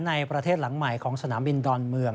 ในประเทศหลังใหม่ของสนามบินดอนเมือง